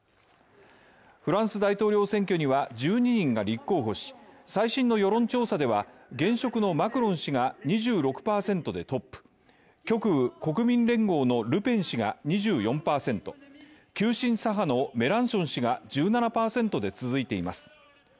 フランス大統領選挙には１２人が立候補し最新の世論調査では現職のマクロン氏が２６％でトップ極右・国民連合のルペン氏が２４％急進左派のメランション氏が１７％で続いています。